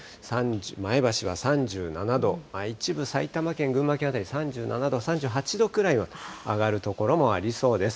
前橋は３７度、一部、埼玉県、群馬県辺り３７度、３８度くらいは上がる所もありそうです。